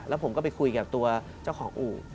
แล้วผมก็ไปคุยกับตัวเจ้าของอู่